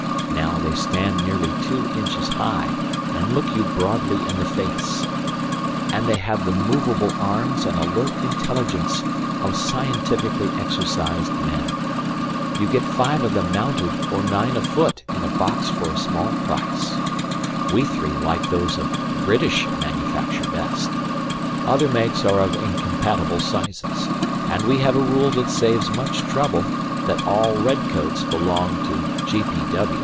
Now they stand nearly two inches high and look you broadly in the face, and they have the movable arms and alert intelligence of scientifically exercised men. You get five of them mounted or nine afoot in a box for a small price. We three like those of British manufacture best; other makes are of incompatible sizes, and we have a rule that saves much trouble, that all red coats belong to G.